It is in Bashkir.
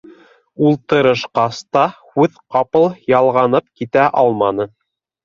Ултырышҡас та, һүҙ ҡапыл ялғанып китә алманы.